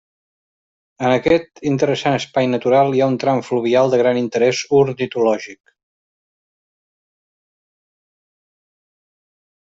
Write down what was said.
En aquest interessant espai natural hi ha un tram fluvial de gran interès ornitològic.